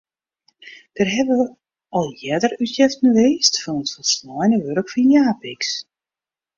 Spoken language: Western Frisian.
Der hawwe al earder útjeften west fan it folsleine wurk fan Japicx.